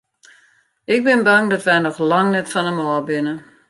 Ik bin bang dat wy noch lang net fan him ôf binne.